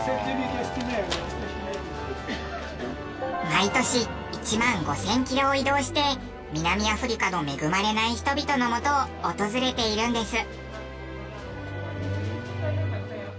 毎年１万５０００キロを移動して南アフリカの恵まれない人々の元を訪れているんです。